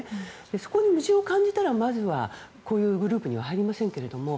そこに矛盾を感じたらまずは、こういうグループには入りませんけれども。